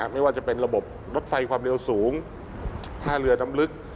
ไม่ว่าจะเป็นระบบรถไฟความเร็วสูงท่าเรือดำลึก